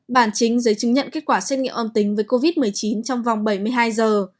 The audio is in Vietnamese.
bản chính giấy chứng nhận kết quả xét nghiệm âm tính với covid một mươi chín trong vòng bảy mươi hai giờ